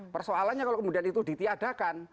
persoalannya kalau kemudian itu ditiadakan